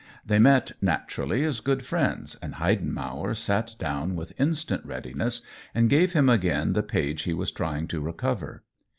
They met, naturally, as good friends, and Heidenmauer sat down with instant readiness and gave him again the page he was trying to recover.